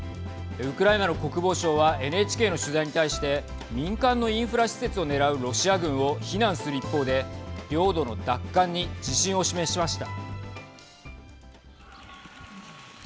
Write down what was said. ウクライナの国防相はＮＨＫの取材に対して民間のインフラ施設を狙うロシア軍を非難する一方で領土の奪還に自信を示しました。